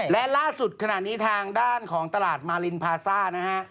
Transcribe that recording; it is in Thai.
และล่าสุดขณะนี้ทางด้านของตลาดมารินพาซ่านะฮะ